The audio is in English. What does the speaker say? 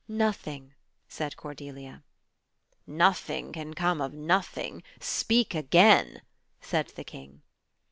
Nothing," said Cordelia. Nothing can come of nothing. Speak again," said the King.